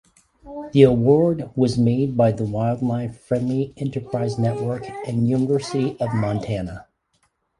The award was made by the Wildlife Friendly Enterprise Network and University of Montana.